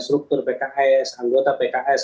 struktur pks anggota pks